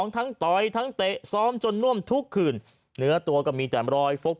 ทั้งต่อยทั้งเตะซ้อมจนน่วมทุกคืนเนื้อตัวก็มีแต่รอยฟก